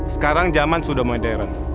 sekarang zaman sudah modern